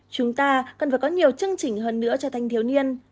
chúng ta cần phải có nhiều chương trình hơn nữa cho thanh thiếu niên